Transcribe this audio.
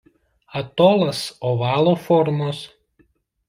Atolas ovalo formos.